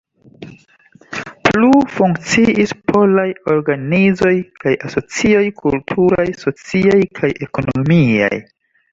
Plu funkciis polaj organizoj kaj asocioj kulturaj, sociaj kaj ekonomiaj.